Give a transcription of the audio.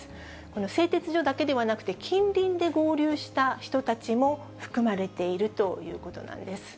この製鉄所だけではなくて、近隣で合流した人たちも含まれているということなんです。